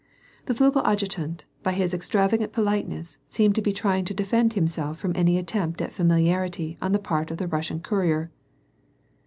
The Flugel adjutant, by his extravagant politeness seemed to be trying to defend himself from any attempt at familiarity on the part of the Russian courier.